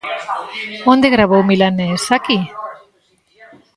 Onde gravou Milanés, aquí?